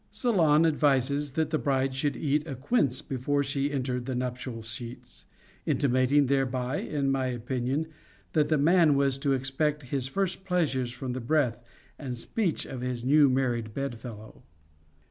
Solon advised that the bride should eat a quince be fore she entered the nuptial sheets ; intimating thereby, in my opinion, that the man was to expect his first pleasures from the breath and speech of his new married bed fellow.